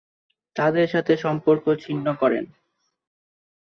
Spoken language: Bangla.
তাদের সাথে সম্পর্ক ছিন্ন করেন।